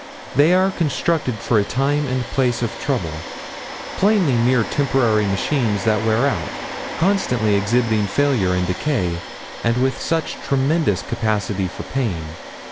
They are constructed for a time and place of trouble plainly mere temporary machines that wear out, constantly exhibiting failure and decay, and with such tremendous capacity for pain.